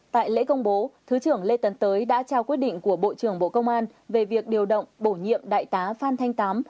tại lễ công bố thứ trưởng lê tấn tới đã trao quyết định của bộ trưởng bộ công an về việc điều động bổ nhiệm đại tá phan thanh tám